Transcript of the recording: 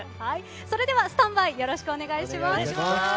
それではスタンバイよろしくお願いします。